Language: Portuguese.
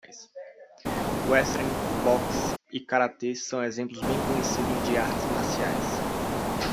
Wrestling, boxe e karatê são exemplos bem conhecidos de artes marciais.